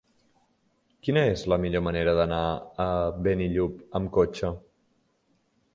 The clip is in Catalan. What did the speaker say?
Quina és la millor manera d'anar a Benillup amb cotxe?